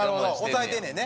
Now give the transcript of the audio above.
抑えてんねんね。